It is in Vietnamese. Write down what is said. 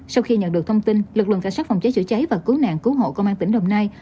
sau khi nhận được thông tin lực lượng cảnh sát phòng cháy chữa cháy và cứu nạn cứu hộ công an tỉnh đồng nai